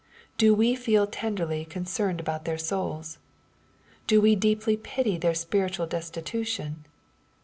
Do we feel tenderly concerned about their souls ? Do we deeply pity their spiritual destitution